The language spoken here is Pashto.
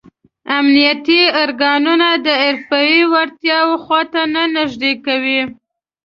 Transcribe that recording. امنیتي ارګانونه د حرفوي وړتیاو خواته نه نږدې کوي.